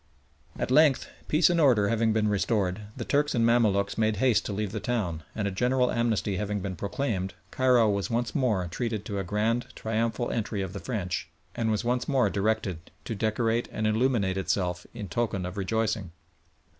At length, peace and order having been restored, the Turks and Mamaluks made haste to leave the town, and a general amnesty having been proclaimed, Cairo was once more treated to a grand triumphal entry of the French, and was once more directed to decorate and illuminate itself in token of rejoicing.